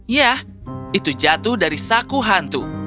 ya itu jatuh dari saku hantu